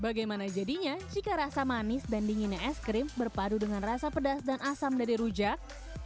bagaimana jadinya jika rasa manis dan dinginnya es krim berpadu dengan rasa pedas dan asam dari rujak